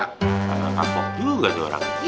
karena tampok juga dia orangnya